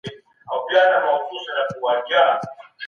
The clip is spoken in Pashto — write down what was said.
واکمن پخوا هم داسې غلطۍ کړې وې.